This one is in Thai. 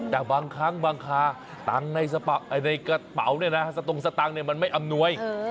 แต่บางครั้งบางคาตังค์ในกระเป๋าเนี่ยนะสตงสตังค์มันไม่อำนวย